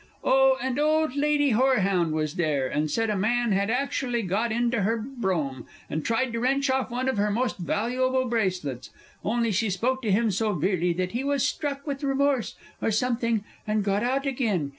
Oh, and old Lady Horehound was there, and said a man had actually got into her brougham, and tried to wrench off one of her most valuable bracelets! only she spoke to him so severely that he was struck with remorse, or something, and got out again!